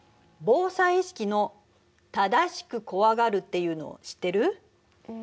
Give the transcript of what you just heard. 防災意識の「正しく怖がる」っていうの知ってる？